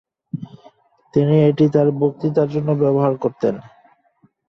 তিনি এটি তার বক্তৃতার জন্য ব্যবহার করতেন।